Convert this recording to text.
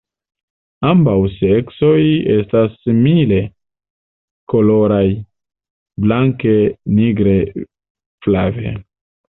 Ambaŭ seksoj estas simile koloraj, blanke, nigre, flave.